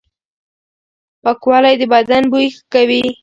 پاکوالي د بدن بوی ښه کوي.